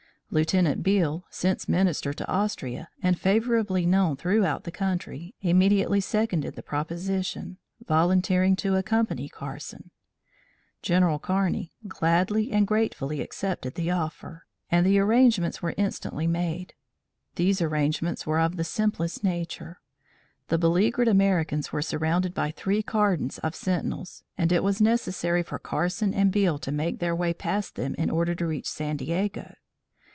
Lieutenant Beale, since Minister to Austria, and favorably known throughout the country, immediately seconded the proposition, volunteering to accompany Carson. General Kearney gladly and gratefully accepted the offer, and the arrangements were instantly made. These arrangements were of the simplest nature. The beleaguered Americans were surrounded by three cordons of sentinels, and it was necessary for Carson and Beale to make their way past them in order to reach San Diego.